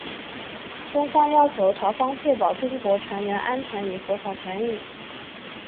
中方要求朝方确保中国船员安全与合法权益。